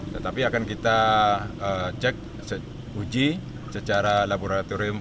tetapi akan kita cek uji secara laboratorium